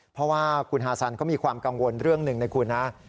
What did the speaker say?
เพราะว่าคุณฮาซันเขามีความกังวลเรื่องหนึ่งนะคุณนะ